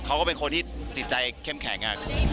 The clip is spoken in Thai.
เขาก็เป็นคนที่จิตใจเข้มแข็ง